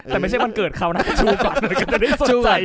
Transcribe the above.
แต่ไม่ใช่วันเกิดเขาน่ะชูก่อนหน่อยก็ได้สนใจ